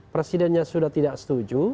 presidennya sudah tidak setuju